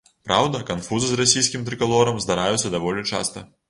Праўда, канфузы з расійскім трыкалорам здараюцца даволі часта.